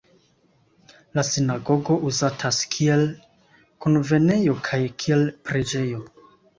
La sinagogo uzatas kiel kunvenejo kaj kiel preĝejo.